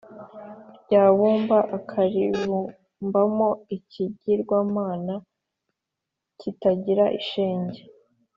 rya bumba akaribumbamo ikigirwamana kitagira shinge,